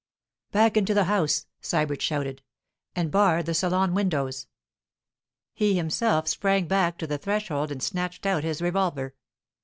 'Back into the house!' Sybert shouted, 'and bar the salon windows.' He himself sprang back to the threshold and snatched out his revolver.